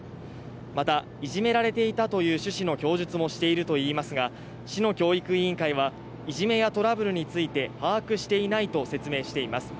また、いじめられていたという趣旨の供述もしていたといいますが市の教育委員会は、いじめやトラブルについて把握していないと説明しています。